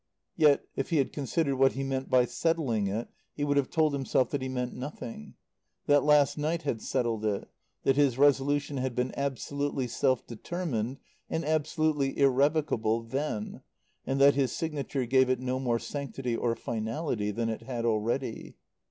Yet, if he had considered what he meant by settling it he would have told himself that he meant nothing; that last night had settled it; that his resolution had been absolutely self determined and absolutely irrevocable then, and that his signature gave it no more sanctity or finality than it had already.